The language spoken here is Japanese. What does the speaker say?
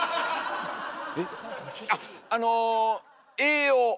あっあの栄養！